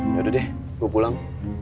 yaudah deh gue pulang